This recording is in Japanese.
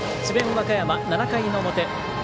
和歌山、７回の表。